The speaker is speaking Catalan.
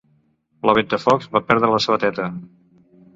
La ventafocs va perdre la sabateta.